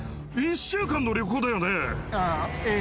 あぁええ。